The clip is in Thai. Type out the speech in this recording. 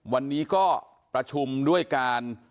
วันนี้ก็ประชุมด้วยการ